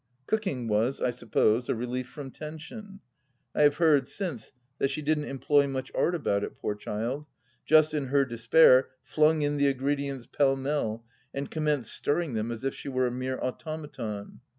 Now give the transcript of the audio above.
Cooking was, I suppose, a relief from tension. I have heard since that she didn't employ much art about it — poor child ! just, in her despair, flung in the ingredients pell mell and commenced stirring them as if she were a mere automaton.